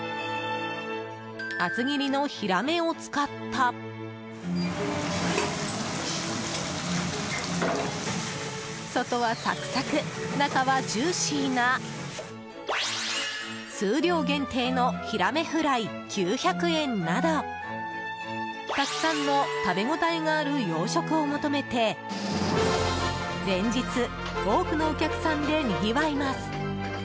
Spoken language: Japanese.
厚切りのヒラメを使った外はサクサク、中はジューシーな数量限定のヒラメフライ、９００円などたくさんの食べ応えがある洋食を求めて連日、多くのお客さんでにぎわいます。